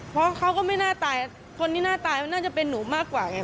เพราะเขาก็ไม่น่าตายคนที่น่าตายมันน่าจะเป็นหนูมากกว่าไง